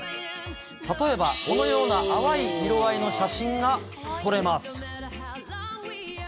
例えば、このような淡い色合いの写真が撮れます。